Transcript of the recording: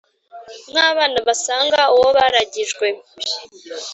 nk’abana basanga uwo baragijwe